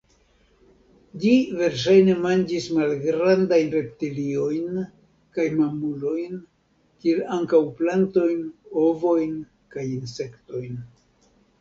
Ĝi verŝajne manĝis malgrandajn reptiliojn kaj mamulojn kiel ankaŭ plantojn, ovojn kaj insektojn.